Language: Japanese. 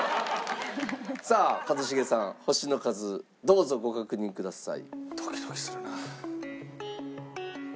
さあ一茂さん星の数どうぞご確認ください。